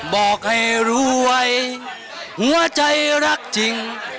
บอกให้รวยหัวใจรักจริง